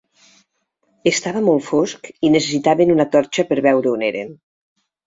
Estava molt fosc i necessitaven una torxa per veure on eren